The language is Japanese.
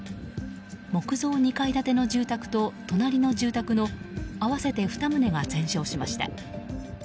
木造２階建ての住宅と隣の住宅の合わせて２棟が全焼しました。